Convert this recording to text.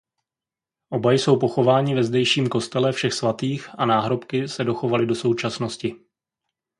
Oba jsou pochováni ve zdejším kostele Všech svatých a náhrobky se dochovaly do současnosti.